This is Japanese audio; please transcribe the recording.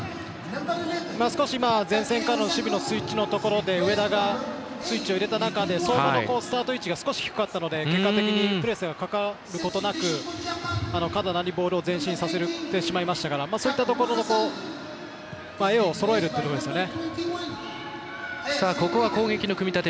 少し前線からの守備のスイッチのところで上田がスイッチを入れたところ相馬のスタート位置が少し低かったので結果的にプレスがかかることなくカナダにボールを前進させてしまいましたからそういったところをそろえるところですね。